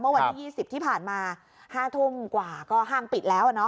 วันที่๒๐ที่ผ่านมา๕ทุ่มกว่าก็ห้างปิดแล้ว